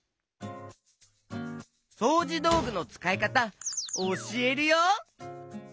そうじどうぐのつかいかたおしえるよ！